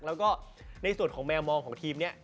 แล้วก็ในส่วนของแมวมองของทีมนี้